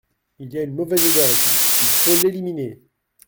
Il y a une mauvaise odeur ici, il faut l’éliminer.